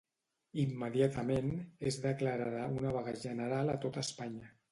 Immediatament, és declarada una vaga general a tot Espanya.